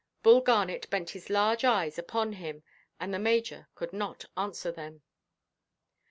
Bull Garnet bent his large eyes upon him, and the Major could not answer them.